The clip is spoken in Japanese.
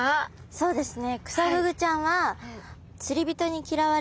そうですね。